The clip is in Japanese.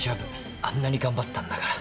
あんなに頑張ったんだから。